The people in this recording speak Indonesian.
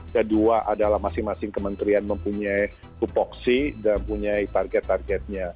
kedua adalah masing masing kementerian mempunyai tupoksi dan punya target targetnya